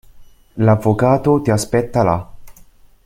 L'avvocato ti aspetta là.